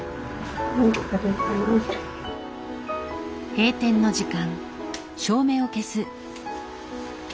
閉店の時間。